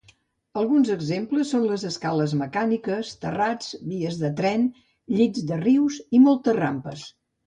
Alguns exemples són escales mecàniques, terrats, vies de tren, llits de rius i moltes rampes.